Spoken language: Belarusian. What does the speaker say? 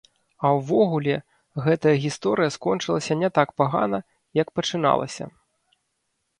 А ўвогуле гэтая гісторыя скончылася не так пагана як пачыналася.